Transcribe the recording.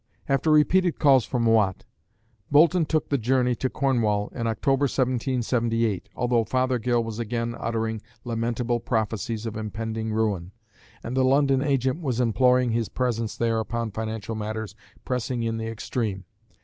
After repeated calls from Watt, Boulton took the journey to Cornwall in October, 1778, although Fothergill was again uttering lamentable prophecies of impending ruin, and the London agent was imploring his presence there upon financial matters pressing in the extreme.